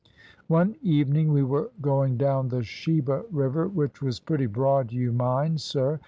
One evening we were going down the Sheba river, which was pretty broad you mind, sir.